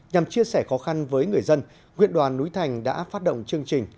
nhằm chia sẻ khó khăn với người dân huyện đoàn núi thành đã phát động chương trình